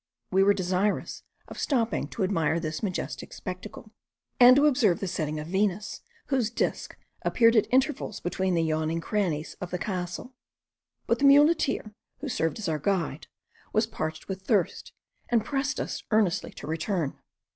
We were desirous of stopping to admire this majestic spectacle, and to observe the setting of Venus, whose disk appeared at intervals between the yawning crannies of the castle; but the muleteer, who served as our guide, was parched with thirst, and pressed us earnestly to return.